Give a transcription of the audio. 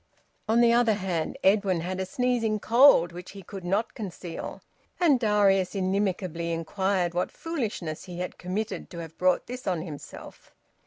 On the other hand Edwin had a sneezing cold which he could not conceal, and Darius inimically inquired what foolishness he had committed to have brought this on himself.